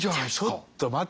ちょっと待って。